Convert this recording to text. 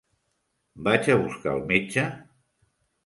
Vaig a buscar el metge?